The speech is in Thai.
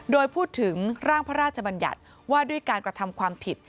โดยพูดถึงร่างพระราชบัญญัติว่าด้วยการกระทำความผิด